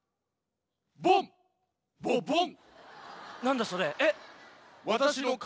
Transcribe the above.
ボンボボン。